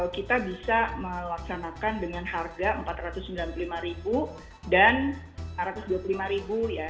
kita bisa melaksanakan dengan harga rp empat ratus sembilan puluh lima dan rp enam ratus dua puluh lima ya